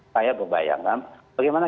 saya berbayangkan bagaimana